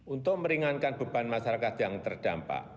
untuk meringankan beban masyarakat yang terdampak